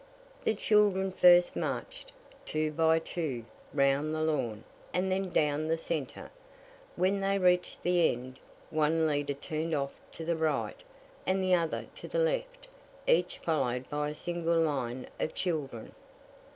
The children first marched, two by two, round the lawn, and then down the centre. When they reached the end, one leader turned off to the right, and the other to the left, each followed by a single line of the children.